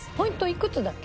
いくつだっけ？